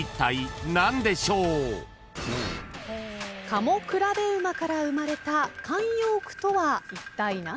賀茂競馬から生まれた慣用句とはいったい何でしょうか？